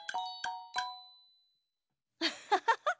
アッハハハ。